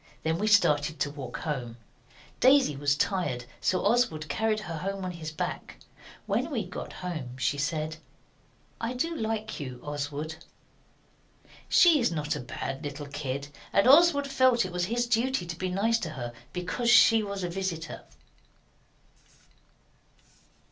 Then we started to walk home. Daisy was tired so Oswald carried her home on his back. When we got home she said 'I do like you, Oswald.' She is not a bad little kid; and Oswald felt it was his duty to be nice to her because she was a visitor.